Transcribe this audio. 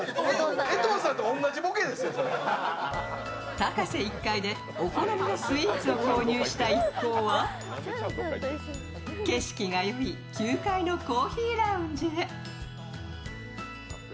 タカセ１階でスイーツを購入した一行は景色がいい９階のコーヒーラウンジへ。